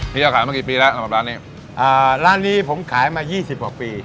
โยขายมากี่ปีแล้วสำหรับร้านนี้อ่าร้านนี้ผมขายมายี่สิบกว่าปี